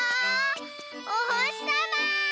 おほしさま！